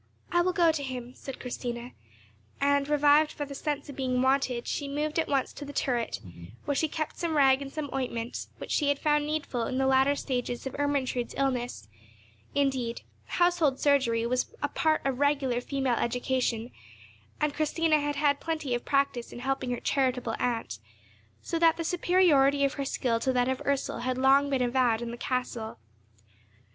"I will go to him," said Christina, and, revived by the sense of being wanted, she moved at once to the turret, where she kept some rag and some ointment, which she had found needful in the latter stages of Ermentrude's illness—indeed, household surgery was a part of regular female education, and Christina had had plenty of practice in helping her charitable aunt, so that the superiority of her skill to that of Ursel had long been avowed in the castle.